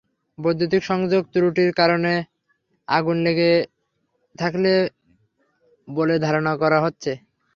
বৈদ্যুতিক সংযোগে ত্রুটির কারণে আগুন লেগে থাকতে বলে ধারণা করা হচ্ছে।